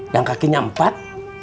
yang kakinya empat